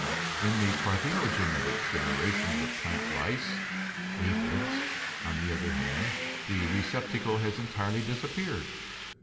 In the parthenogenetic generations of plant lice (aphids), on the other hand, the receptacle has entirely disappeared.